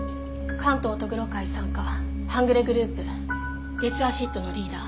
関東戸愚呂会傘下半グレグループデスアシッドのリーダー